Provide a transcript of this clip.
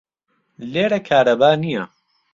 لێرە کارەبا نییە.